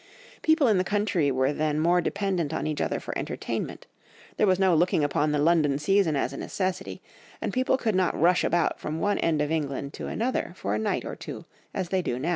People in the country were then more dependent on each other for entertainment, there was no looking upon the London season as a necessity, and people could not rush about from one end of England to another for a night or two as they now do.